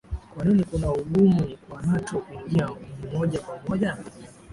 kwa nini kuna ugumu kwa nato kuingia moja kwa moja